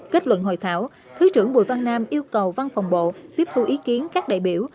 kết luận hội thảo thứ trưởng bùi văn nam yêu cầu văn phòng bộ tiếp thu ý kiến các đại biểu